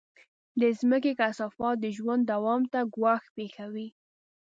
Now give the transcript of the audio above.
د مځکې کثافات د ژوند دوام ته ګواښ پېښوي.